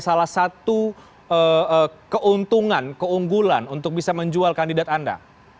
salah satu keuntungan keunggulan untuk bisa menjual kandidat anda